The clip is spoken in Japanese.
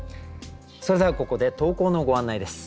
それではここで投稿のご案内です。